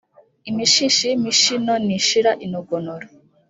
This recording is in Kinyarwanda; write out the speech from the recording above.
imishishi y'imishino ntishira inogonora.